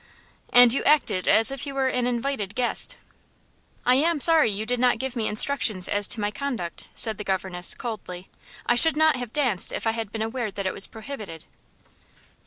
"And you acted as if you were an invited guest." "I am sorry you did not give me instructions as to my conduct," said the governess, coldly. "I should not have danced if I had been aware that it was prohibited."